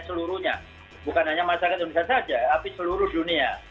seluruhnya bukan hanya masyarakat indonesia saja tapi seluruh dunia